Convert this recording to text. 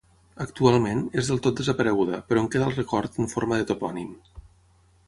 Actualment, és del tot desapareguda, però en queda el record en forma de topònim.